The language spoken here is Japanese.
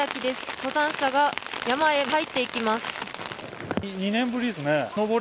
登山者が山へ入っていきます。